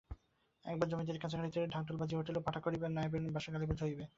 একদিন জমিদারি কাছারিতে ঢাকঢোল বাজিয়া উঠিল, পাঁঠা কাটিয়া নায়েবের বাসায় কালীপূজা হইবে।